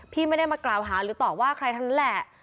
พี่ไม่ได้มากล่าวหาหรือต่อว่าใครทั้งนั้นแหละ